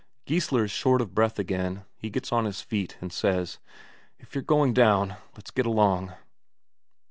Geissler is short of breath again; he gets on his feet, and says: "If you're going down, let's get along."